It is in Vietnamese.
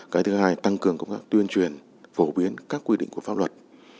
cái thứ hai tăng cường tuyên truyền phổ biến các quy định của pháp luật